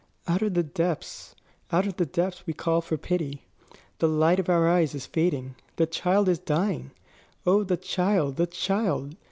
"Out of the depths out of the depths we call for pity. The light of our eyes is fading the child is dying. Oh, the child, the child!